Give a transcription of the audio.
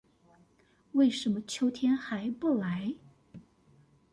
為什麼秋天還不來